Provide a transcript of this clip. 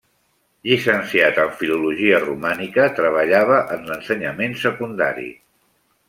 Llicenciat en Filologia Romànica, treballava en l'ensenyament secundari.